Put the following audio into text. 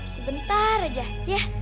sebentar aja ya